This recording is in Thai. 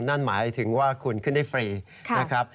นั่นหมายถึงว่าคุณขึ้นได้ฟรีนะครับ